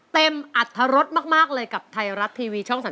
เต็มอรรถรสมากเลยกับไทยรัฐทีวีช่อง๓๒แพทย์